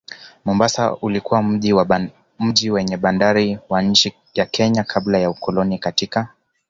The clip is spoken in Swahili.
Mombasa ulikuwa mji wenye bandari wa nchi ya Kenya kabla ya ukoloni katika